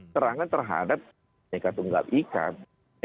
serangan terhadap mereka tunggal ikan